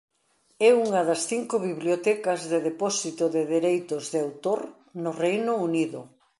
É unha das cinco bibliotecas de depósito de dereitos de autor no Reino Unido.